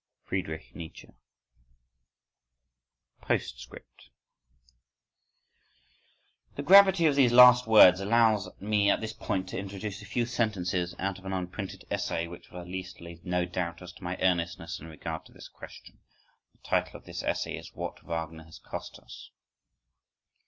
_ Friedrich Nietzsche. Postscript The gravity of these last words allows me at this point to introduce a few sentences out of an unprinted essay which will at least leave no doubt as to my earnestness in regard to this question. The title of this essay is: "What Wagner has cost us."